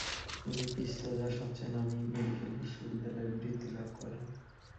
তিনি পিস্তোজার সবচেয়ে নামী মেডিকেল বিদ্যালয়ে বৃত্তি লাভ করেন।